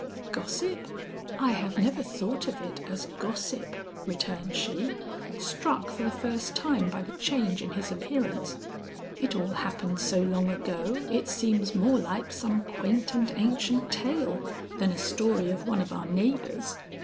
"Gossip! I have never thought of it as gossip," returned she, struck for the first time by the change in his appearance. "It all happened so long ago it seems more like some quaint and ancient tale than a story of one of our neighbors.